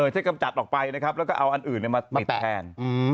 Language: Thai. ที่กำจัดออกไปนะครับแล้วก็เอาอันอื่นมาติดแทน